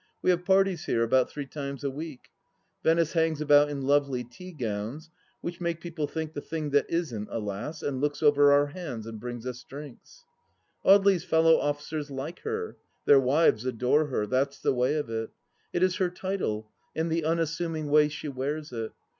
We have parties here, about three times a week. Venice hangs about in lovely tea gowns which make people think the thing that isn't, alas 1 and looks over our hands and brings us drinks. Audely's fellow ofi&cers like her; their wives adore her; that's the way of it. It is her title and the unassuming way she wears it.